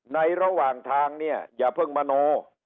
ในระหว่างทางนี้อย่าเพิ่งมาโน้